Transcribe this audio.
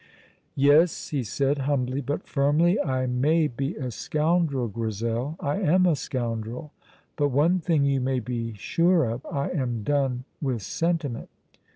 "Yes," he said, humbly but firmly, "I may be a scoundrel, Grizel, I am a scoundrel, but one thing you may be sure of, I am done with sentiment."